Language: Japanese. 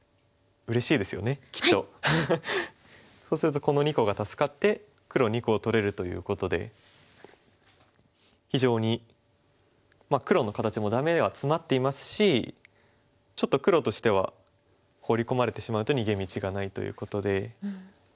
そうするとこの２個が助かって黒２個を取れるということで非常に黒の形もダメはツマっていますしちょっと黒としてはホウリ込まれてしまうと逃げ道がないということで。